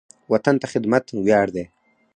وطن ته خدمت ویاړ دی